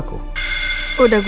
ini ada ini ada